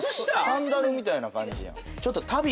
サンダルみたいな感じやん。